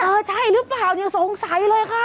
ใช่หรือเปล่ายังสงสัยเลยค่ะ